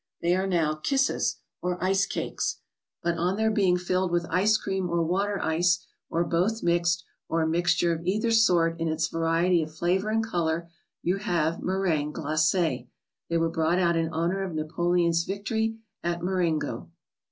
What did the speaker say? They are now " kisses " or ice cakes. But on their being filled with ice cream or water ice, or both mixed, or a mixture of either sort in its variety of flavor and color, you have Meringues Glace's. They were brought out in honor of Napoleon's victory at Mar¬ engo.